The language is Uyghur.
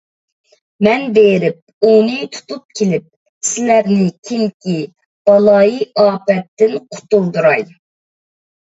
مەن بېرىپ ئۇنى تۇتۇپ كېلىپ، سىلەرنى كېيىنكى بالايىئاپەتتىن قۇتۇلدۇراي.